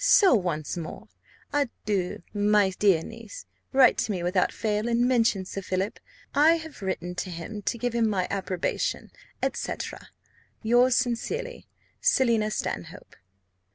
So once more adieu, my dear niece! Write to me without fail, and mention Sir Philip. I have written to him to give my approbation, &c. "Yours sincerely, "SELINA STANHOPE."